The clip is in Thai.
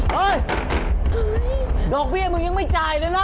เฮ้ยดอกเบี้ยมึงยังไม่จ่ายเลยนะ